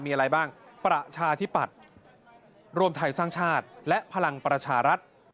มีอะไรบ้างประชาธิปัตย์รวมไทยสร้างชาติและพลังประชารัฐ